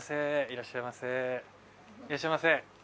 いらっしゃいませ。